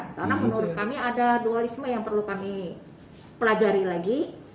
karena menurut kami ada dualisme yang perlu kami pelajari lagi